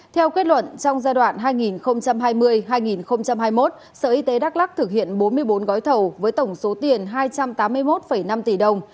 theo kết luận trong giai đoạn hai nghìn hai mươi hai nghìn hai mươi một sở y tế đắk lắc thực hiện bốn mươi bốn gói thầu với tổng số tiền hai trăm tám mươi một năm tỷ đồng